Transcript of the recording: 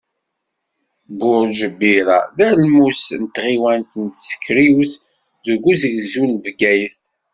Burǧ Mira d almus n tɣiwant n Tsekriwt, deg ugezdu n Bgayet.